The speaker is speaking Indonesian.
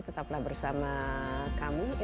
tetaplah bersama kami